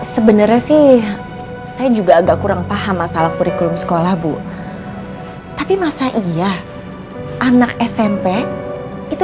sebenarnya sih saya juga agak kurang paham masalah kurikulum sekolah bu tapi masa iya anak smp itu